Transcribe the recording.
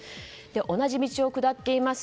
同じ道を下っています